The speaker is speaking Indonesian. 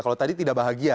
kalau tadi tidak bahagia